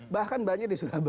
bahkan banjir di surabaya